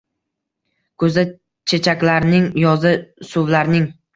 Kuzda chechaklarning yozda suvlarning